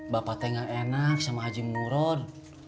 bapak teh gak enak sama haji murad